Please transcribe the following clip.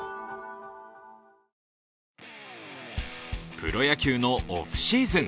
プロ野球のオフシーズン。